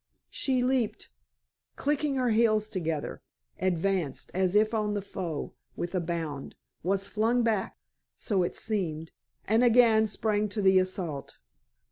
She leaped, clicking her heels together, advanced, as if on the foe, with a bound was flung back so it seemed and again sprang to the assault.